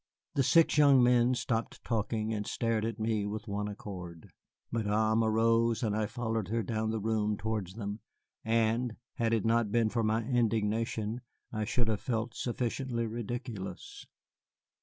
The six young men stopped talking and stared at me with one accord. Madame arose, and I followed her down the room towards them, and, had it not been for my indignation, I should have felt sufficiently ridiculous.